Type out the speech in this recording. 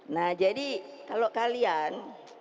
nah jadi kalau kalian